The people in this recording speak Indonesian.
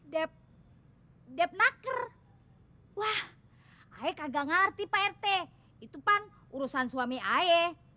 dep dep naker wah ae kagak ngalerti pak rt itu kan urusan suami ae